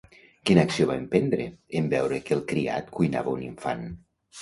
Quina acció va emprendre en veure que el criat cuinava un infant?